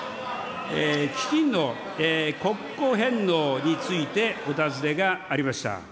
基金の国庫返納についてお尋ねがありました。